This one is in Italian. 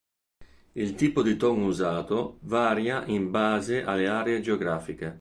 Il tipo di ton usato varia in base alle aree geografiche.